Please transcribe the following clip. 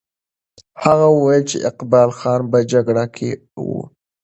هغه وویل چې اقبال خان په جګړه کې وو.